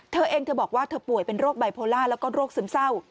เธอเองเธอบอกว่าเธอป่วยเป็นโรคไบโพล่าแล้วก็โรคซึมเศร้า